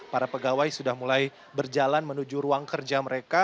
para pegawai sudah mulai berjalan menuju ruang kerja mereka